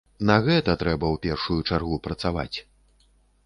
На гэта трэба ў першую чаргу працаваць.